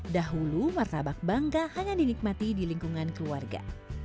dahulu martabak bangka hanya dinikmati di lingkungan keluarga